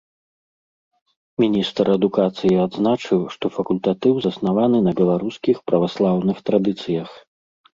Міністр адукацыі адзначыў, што факультатыў заснаваны на беларускіх праваслаўных традыцыях.